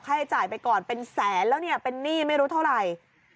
ให้จ่ายไปก่อนเป็นแสนแล้วเนี่ยเป็นหนี้ไม่รู้เท่าไหร่